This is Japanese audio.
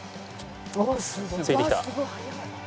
ついてきた！